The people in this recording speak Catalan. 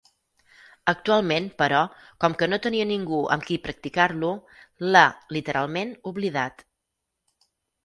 Actualment, però, com que no tenia ningú amb qui practicar-lo, l'ha, literalment, oblidat.